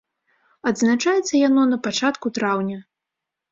Адзначаецца яно на пачатку траўня.